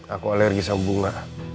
aku alergis sama bunga